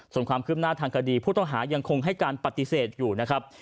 ส่วนความคืบหน้าทางคดีผู้ต้องหายังคงให้การปฏิเสธอยู่นะครับ